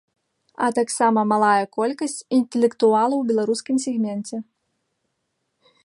А таксама малая колькасць інтэлектуалаў у беларускім сегменце.